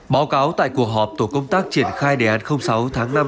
báo cáo tại cuộc họp tổ công tác triển khai đề án sáu tháng năm năm hai nghìn hai mươi ba